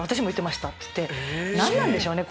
「何なんでしょうね？